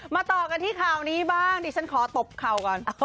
ต่อกันที่ข่าวนี้บ้างดิฉันขอตบเข่าก่อน